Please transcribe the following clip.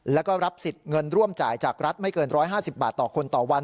แล้วก็รับสิทธิ์เงินร่วมจ่ายจากรัฐไม่เกิน๑๕๐บาทต่อคนต่อวัน